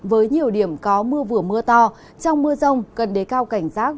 với nhiều điểm có mưa vừa mưa to trong mưa rông cần đề cao cảnh giác